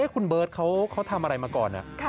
คุณเบิร์ตเขาทำอะไรมาก่อน